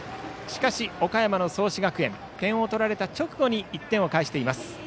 しかし岡山・創志学園点を取られた直後に１点を返しています。